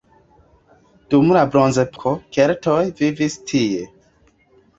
Dum la bronzepoko keltoj vivis tie.